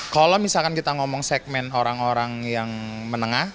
kalau misalkan kita ngomong segmen orang orang yang menengah